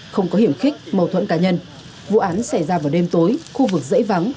không có hiểm khích mâu thuẫn cá nhân vụ án xảy ra vào đêm tối khu vực dãy vắng